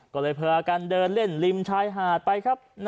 ก็เลยพากันเดินเล่นริมชายหาดไปครับ